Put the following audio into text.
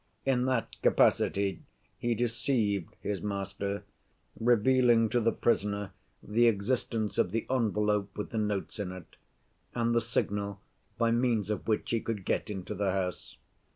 In that capacity he deceived his master, revealing to the prisoner the existence of the envelope with the notes in it and the signals by means of which he could get into the house.